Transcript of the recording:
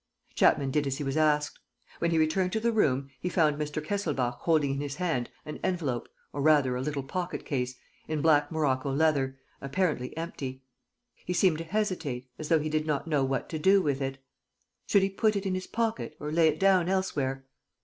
Chapman did as he was asked. When he returned to the room, he found Mr. Kesselbach holding in his hand an envelope, or, rather, a little pocket case, in black morocco leather, apparently empty. He seemed to hesitate, as though he did not know what to do with it. Should he put it in his pocket or lay it down elsewhere?